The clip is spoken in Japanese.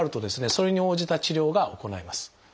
それに応じた治療が行えます。